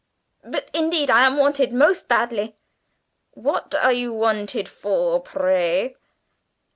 "But indeed I am wanted most badly!" "What are you wanted for, pray?"